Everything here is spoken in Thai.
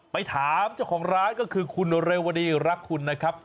ไปถามเจ้าของร้านก็คือคุณเรวดีรักคุณนะครับ